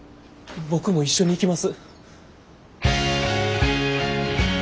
僕も一緒に行きます。